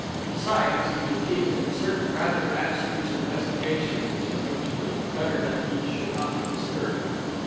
Besides, he was deep in certain rather abstruse investigations, in which it was better that he should not be disturbed.